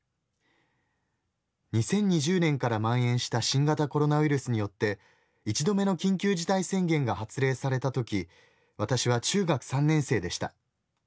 ２０２０年から蔓延した新型コロナウイルスによって１度目の緊急事態宣言が発令された時私は中学３年生でした。